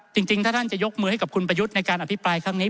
จริงถ้าท่านจะยกมือให้กับคุณประยุทธ์ในการอภิปรายครั้งนี้